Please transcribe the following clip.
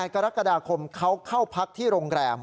กรกฎาคมเขาเข้าพักที่โรงแรม